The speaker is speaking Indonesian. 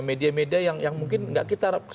media media yang mungkin tidak kita harap